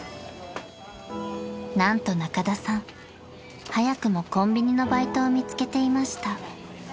［何と仲田さん早くもコンビニのバイトを見つけていました］